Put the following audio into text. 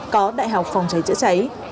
có đại học phòng cháy chữa cháy